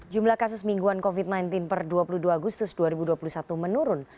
jumlah kasus mingguan covid sembilan belas per dua puluh dua agustus dua ribu dua puluh satu menurun